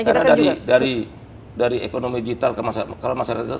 karena dari ekonomi digital ke masyarakat digital